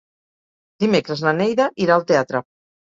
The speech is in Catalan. Dimecres na Neida irà al teatre.